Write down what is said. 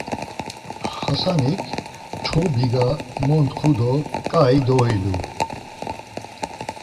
Xasanik mçxu biga muntxu do ǩai doilu.